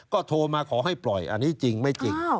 ก็โทรมาขอให้ปล่อยอันนี้จริงไม่จริง